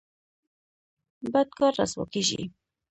بد کار رسوا کیږي